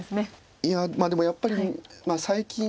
いやでもやっぱり最近。